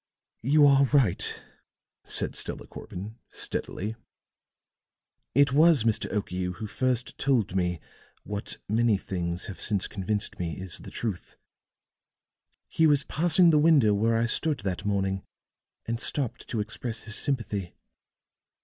"You are right," said Stella Corbin, steadily. "It was Mr. Okiu who first told me what many things have since convinced me is the truth. He was passing the window where I stood that morning and stopped to express his sympathy.